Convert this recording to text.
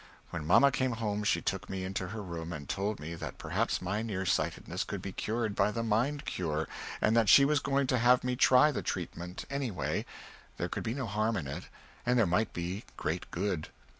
When mamma came home, she took me into her room, and told me that perhaps my near sightedness could be cured by the "Mind Cure" and that she was going to have me try the treatment any way, there could be no harm in it, and there might be great good.